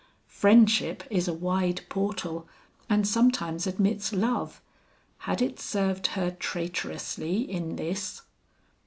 Friendship is a wide portal, and sometimes admits love; had it served her traitorously in this?